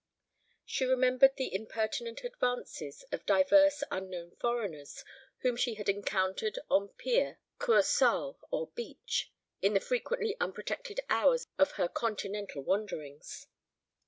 She remembered the impertinent advances of divers unknown foreigners whom she had encountered on pier or digue, kursaal or beach, in the frequently unprotected hours of her continental wanderings.